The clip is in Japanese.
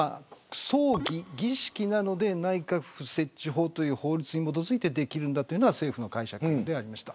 葬儀、儀式なので内閣府設置法という法律に基づいてできるというのが政府の解釈です。